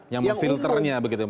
yang memfilternya begitu